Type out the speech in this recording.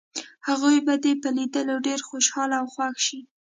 هغوی به دې په لیدو ډېر خوشحاله او خوښ شي.